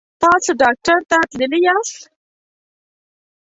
تاسو ډاکټر ته تللي یاست؟